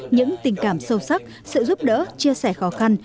những tình cảm sâu sắc sự giúp đỡ chia sẻ khó khăn